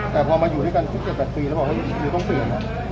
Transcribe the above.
แต่พอมาอยู่ด้วยกันสัก๗๘ปีแล้วบอกว่าคือต้องเปลี่ยน